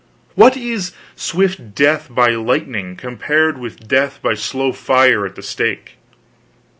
What is swift death by lightning compared with death by slow fire at the stake?